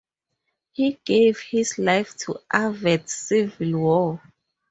He gave his life to avert civil war.